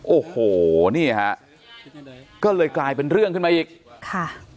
โอ้โหนี่ฮะก็เลยกลายเป็นเรื่องขึ้นมาอีกค่ะ